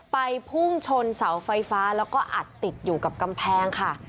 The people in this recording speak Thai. พุ่งชนเสาไฟฟ้าแล้วก็อัดติดอยู่กับกำแพงค่ะ